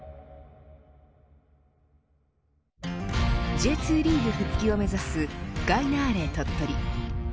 Ｊ２リーグ復帰を目指すガイナーレ鳥取。